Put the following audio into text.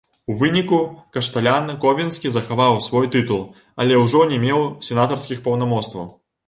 У выніку, кашталян ковенскі захаваў свой тытул, але ўжо не меў сенатарскіх паўнамоцтваў.